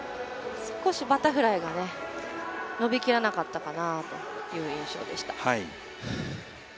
少しバタフライが伸びきらなかったかなという印象でした。